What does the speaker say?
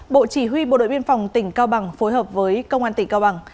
bộ chỉ huy bộ đội biên phòng tỉnh cao bằng phối hợp với công an tỉnh cao bằng